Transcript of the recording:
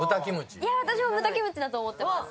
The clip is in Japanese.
私も豚キムチだと思ってます。